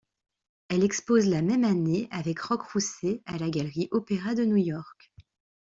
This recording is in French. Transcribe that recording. Elle expose la même année avec Roc-Roussey à la Galerie Opéra de New York.